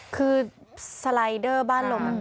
คือสไลเดอร์บ้านลม